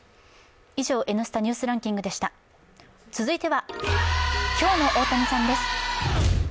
続いては、今日の大谷さんです。